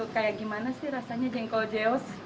kayak gimana sih rasanya jengkol jeos